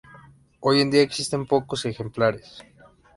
Hoy en día existen pocos ejemplares.